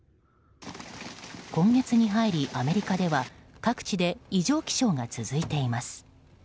今月に入り、アメリカでは各地で異常気象が続いています。